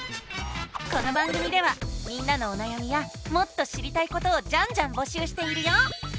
この番組ではみんなのおなやみやもっと知りたいことをジャンジャンぼしゅうしているよ！